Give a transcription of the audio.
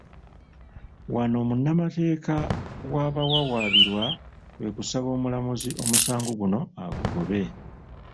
Wano munnamateeka w'abawawaabirwa kwe kusaba omulamuzi omusango guno agugobe.